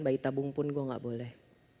kita bungpun gue gak boleh